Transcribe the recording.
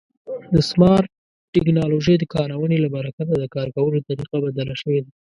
د سمارټ ټکنالوژۍ د کارونې له برکته د کار کولو طریقه بدله شوې ده.